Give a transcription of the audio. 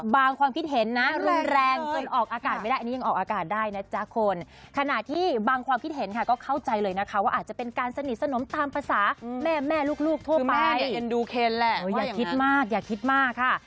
ดูเคนแหละว่าอย่างนั้นอยากคิดมากอยากคิดมากค่ะ